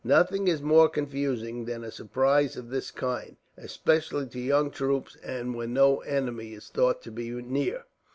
Nothing is more confusing than a surprise of this kind, especially to young troops, and when no enemy is thought to be near.